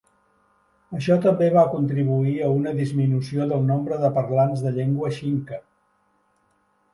Això també va contribuir a una disminució del nombre de parlants de llengua xinca.